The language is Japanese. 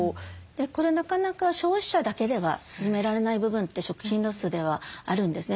これなかなか消費者だけでは進められない部分って食品ロスではあるんですね。